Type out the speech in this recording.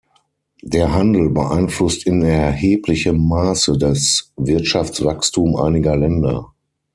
Der Handel beeinflusst in erheblichem Maße das Wirtschaftswachstum einiger Länder.